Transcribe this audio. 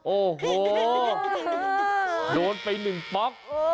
โอ้โหโดนไปหนึ่งป๊อก